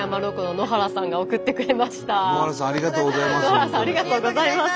野原さんありがとうございます。